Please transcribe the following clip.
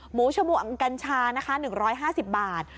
หมูชมุกัญชา๑๕๐บาท